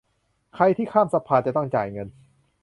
ใครที่ข้ามสะพานจะต้องจ่ายเงิน